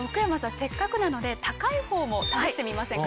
せっかくなので高いほうも試してみませんか？